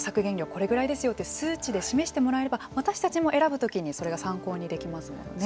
これぐらいですよって数値で示してもらえれば私たちも選ぶ時にそれが参考にできますもんね。